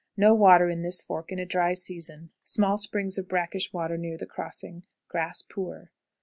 No water in this fork in a dry season; small springs of brackish water near the crossing. Grass poor.